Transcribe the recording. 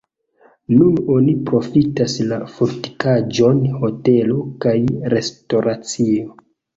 Nun oni profitas la fortikaĵon hotelo kaj restoracio.